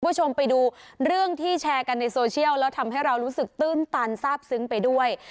คุณผู้ชมไปดูเรื่องที่แชร์กันในโซเชียลแล้วทำให้เรารู้สึกตื้นตันทราบซึ้งไปด้วย